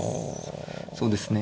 そうですね。